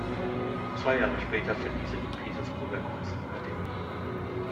Zwei Jahre später verließ er die Petersburger Kunstakademie.